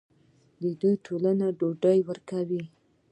دوی ټولنې ته ډوډۍ ورکوي.